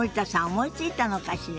思いついたのかしら。